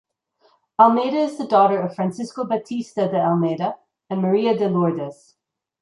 Almeida is the daughter of Francisco Batista de Almeida and Maria de Lourdes.